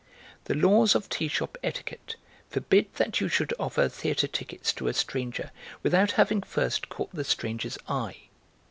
The laws of tea shop etiquette forbid that you should offer theatre tickets to a stranger without having first caught the stranger's eye.